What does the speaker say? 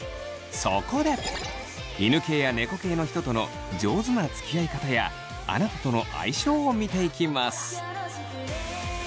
そこで犬系や猫系の人との上手なつきあい方やあなたとの相性を見ていきます。